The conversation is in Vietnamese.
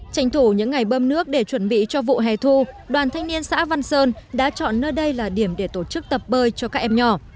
tranh thủ những ngày bơm nước để chuẩn bị cho vụ hè thu đoàn thanh niên xã văn sơn đã chọn nơi đây là điểm để tổ chức tập bơi cho các em nhỏ